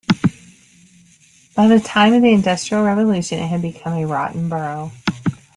By the time of the Industrial revolution, it had become a rotten borough.